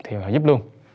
thì họ giúp luôn